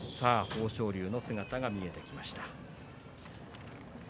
豊昇龍の姿が見えました。